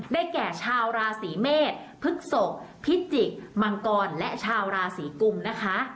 แก่ชาวราศีเมษพฤกษกพิจิกษ์มังกรและชาวราศีกุมนะคะ